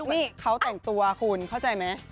นี่เขาแต่งตัวคุณเข้าใจไหม